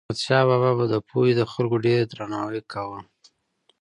احمدشاه بابا به د پوهې د خلکو ډېر درناوی کاوه.